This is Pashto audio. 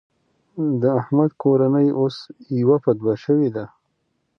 د احمد کورنۍ اوس يوه په دوه شوېده.